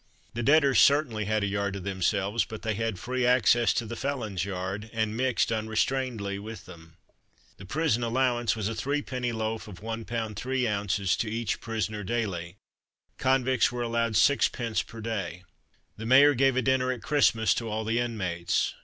The debtors certainly had a yard to themselves, but they had free access to the felon's yard, and mixed unrestrainedly with them. The prison allowance was a three penny loaf of 1lb. 3oz. to each prisoner daily. Convicts were allowed 6d. per day. The mayor gave a dinner at Christmas to all the inmates.